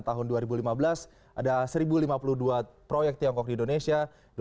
tahun dua ribu lima belas ada satu lima puluh dua proyek tiongkok di indonesia